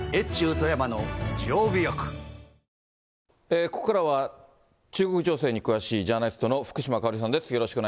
ここからは中国情勢に詳しいジャーナリストの福島香織さんです。